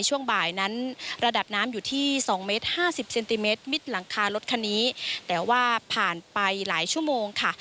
วิบเมตรมิดหลังคารถ้านี้แต่ว่าผ่านไปหลายชั่วโมงค่ะ